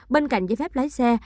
bên cạnh giấy phép lái xe